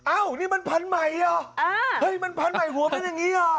อ้าวนี่มันพันธุ์ใหม่อ่ะเฮ้ยมันพันธุ์ใหม่หัวเป็นอย่างนี้อ่ะ